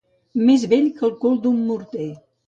Més vell que el cul d'un morter.